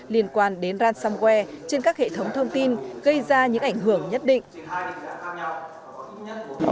liên quan đến ransomware trên các hệ thống thông tin gây ra những ảnh hưởng nhất định